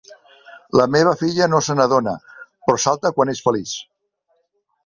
La meva filla no se n'adona, però salta quan és feliç.